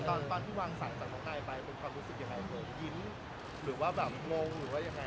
ตอนพี่วางศังจาก้อค่ายไปความรู้สึกยังไง